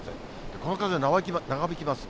この風、長引きます。